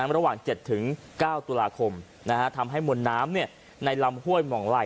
ระหว่าง๗๙ตุลาคมทำให้มวลน้ำในลำห้วยหมองไล่